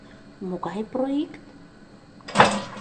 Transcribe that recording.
Могай проикт?